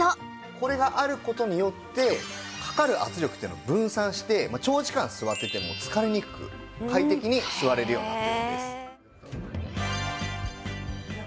これがある事によってかかる圧力っていうのが分散して長時間座ってても疲れにくく快適に座れるようになってるんです。